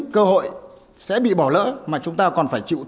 cơ hội sẽ bị bỏ lỡ